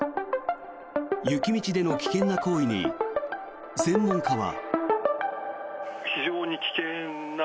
雪道での危険な行為に専門家は。